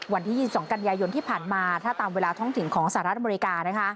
วันที่๒๒กันยายนที่ผ่านมาถ้าตามเวลาท้องถิ่นของสหรัฐอเมริกา